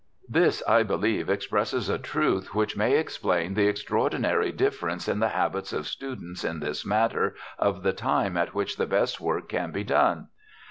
This, I believe, expresses a truth which may explain the extraordinary difference in the habits of students in this matter of the time at which the best work can be done.